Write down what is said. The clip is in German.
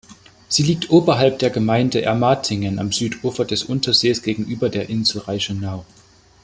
Sie liegt oberhalb der Gemeinde Ermatingen am Südufer des Untersees gegenüber der Insel Reichenau.